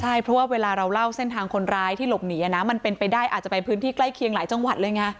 ใช่เพราะว่าเวลาเราเล่าเส้นทางคนร้ายที่หลบหนีมันเป็นไปได้อาจจะไปพื้นที่ใกล้เคียงหลายจังหวัดเลยไง